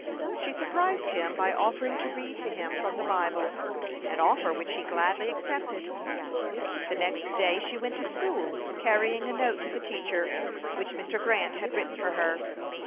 She surprised him by offering to read to him from the Bible an offer which he gladly accepted. The next day she went to school, carrying a note to the teacher, which Mr. Grant had written for her.